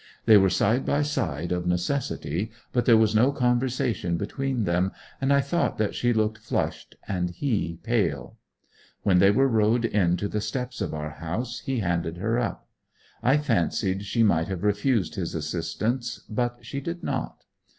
They were side by side of necessity, but there was no conversation between them, and I thought that she looked flushed and he pale. When they were rowed in to the steps of our house he handed her up. I fancied she might have refused his assistance, but she did not.